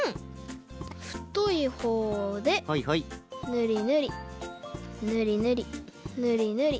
ふといほうでぬりぬりぬりぬりぬりぬり。